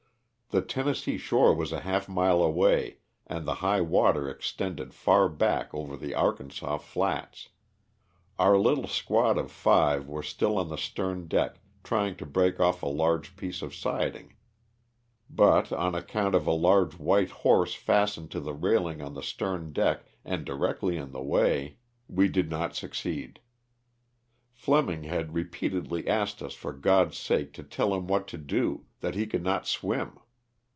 The Tennessee shore was a half mile away and the high water extended far back over the Arkansas flats. Our little squad of five were still on the stern deck trying to break off a large piece of sid ing, but, on account of a large white horse fastened to the railing on the stern deck and directly in the way, 202 LOSS OF THE SULTAITA. we did not succeed. Fleming had repeatedly asked us for God's sake to tell him what to do, that he could not swim.